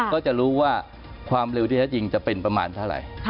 ก็จะรู้ว่าความเร็วที่แท้จริงจะเป็นประมาณเท่าไหร่